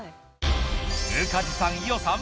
宇梶さん伊代さん